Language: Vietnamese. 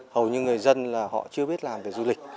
hầu như người dân là họ chưa biết làm về du lịch